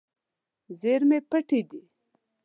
زیرمې پټې دي.